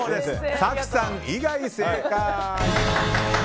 早紀さん以外正解！